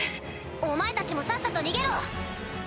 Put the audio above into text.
お前たちもさっさと逃げろ！